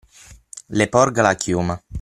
Le porga la chioma.